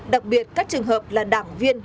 đặc biệt các trường hợp là đảng viên